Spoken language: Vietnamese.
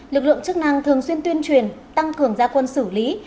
lực lượng chức năng thường xuyên tuyên truyền tăng cường gia quân xử lý